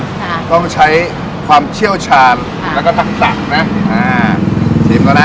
ค่ะต้องใช้ความเชี่ยวชาญค่ะแล้วก็ทักสั่งนะอ่าชิมแล้วนะ